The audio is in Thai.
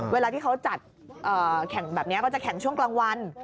เวลาที่เขาจัดแข่งแบบนี้ก็จะแข่งช่วงกลางวัน